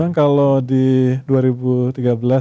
kalau di dua ribu tiga belas